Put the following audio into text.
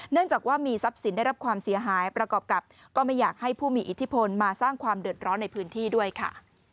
จากว่ามีทรัพย์สินได้รับความเสียหายประกอบกับก็ไม่อยากให้ผู้มีอิทธิพลมาสร้างความเดือดร้อนในพื้นที่ด้วยค่ะ